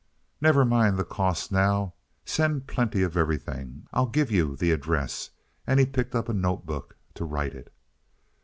"Never mind the cost now. Send plenty of everything. I'll give you the address," and he picked up a note book to write it.